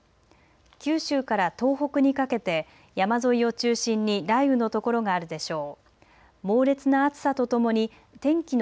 九州から東北にかけて山沿いを中心に雷雨の所があるでしょう。